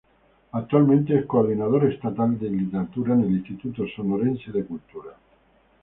Actualmente es Coordinador estatal de Literatura en el Instituto Sonorense de Cultura.